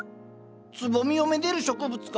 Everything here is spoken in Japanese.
つぼみをめでる植物か。